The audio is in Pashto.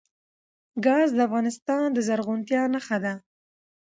ګاز د افغانستان د زرغونتیا نښه ده.